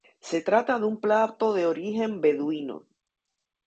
Se trata de un plato de origen beduino.